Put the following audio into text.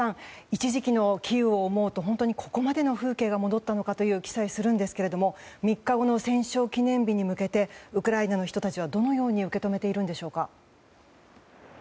一時期のキーウを思うと本当にここまでの風景が戻ったのかという気さえするんですが３日後の戦勝記念日に向けてウクライナの人たちはどのように受け止めているんでしょうか。